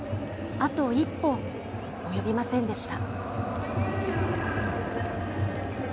あと一歩及びませんでした。